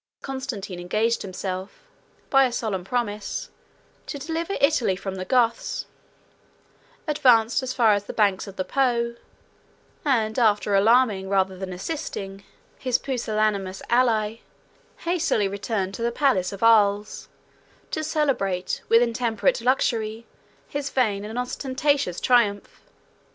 Constantine engaged himself, by a solemn promise, to deliver Italy from the Goths; advanced as far as the banks of the Po; and after alarming, rather than assisting, his pusillanimous ally, hastily returned to the palace of Arles, to celebrate, with intemperate luxury, his vain and ostentatious triumph.